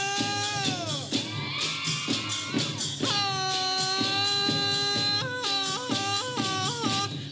แม่ต้องรับร้องระบำกันเอ่ย